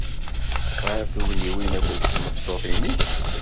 Tesɛid tugniwin akked tmeṭṭut-nnek?